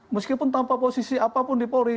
meskipun tanpa posisi apapun di polri